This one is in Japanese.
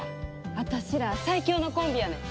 私ら最強のコンビやねん！